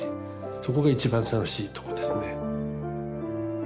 そこが一番楽しいとこですね。